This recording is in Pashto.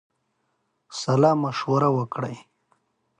سالامشوره وکړي.